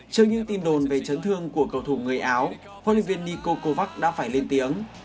trước những tin đồn về chấn thương của cầu thủ người áo huấn luyện viên nikokovac đã phải lên tiếng